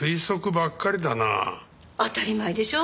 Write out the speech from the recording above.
当たり前でしょ？